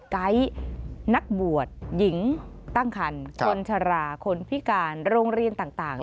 ไก๊นักบวชหญิงตั้งคันคนชราคนพิการโรงเรียนต่าง